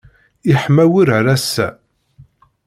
Iḥma wurar ass-a.